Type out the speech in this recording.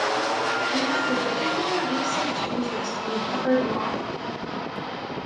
He has a particular research interest in the peppered moth.